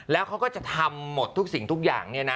แล้วเขาก็จะทำหมดทุกสิ่งทุกอย่าง